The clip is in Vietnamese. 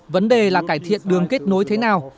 vấn đề là cải thiện đường kết nối thế nào